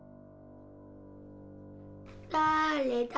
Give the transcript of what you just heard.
だれだ？